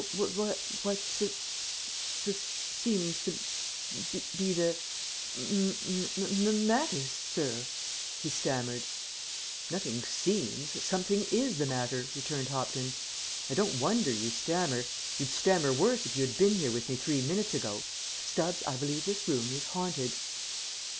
"Wh wh what sus seems to b be the m mum matter, sir?" he stammered. "Nothing seems, something is the matter," returned Hopkins. "I don't wonder you stammer. You'd stammer worse if you had been here with me three minutes ago. Stubbs, I believe this room is haunted!"